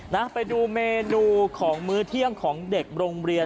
นะไปดูเมนูของมื้อเที่ยงของเด็กโรงเรียน